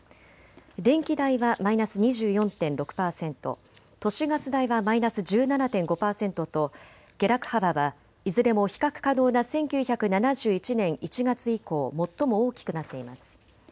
電気代はマイナス２４．６％、都市ガス代はマイナス１７．５％と下落幅はいずれも比較可能な１９７１年１月以降、最も大きくなっています。